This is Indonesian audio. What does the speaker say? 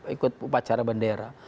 ikut upacara bandera